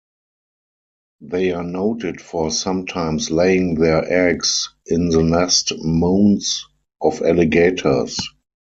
They are noted for sometimes laying their eggs in the nest mounds of alligators.